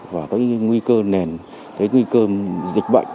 và cái nguy cơ nền cái nguy cơ dịch bệnh